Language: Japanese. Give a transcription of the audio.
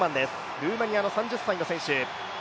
ルーマニアの３０歳の選手。